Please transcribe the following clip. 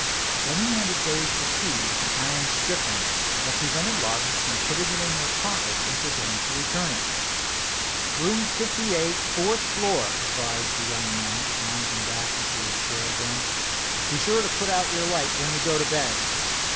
Then he handed Dave a key with an iron strip to it, that prevented lodgers from putting it in their pockets and forgetting to return it. "Room 58, fourth floor," advised the young man, and lounged back into his chair again. "Be sure to put out your light when you go to bed."